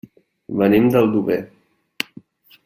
Venim d'Aldover.